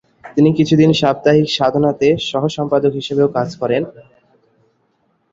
তিনি কিছুদিন "সাপ্তাহিক সাধনা"তে সহ সম্পাদক হিসেবেও কাজ করেন।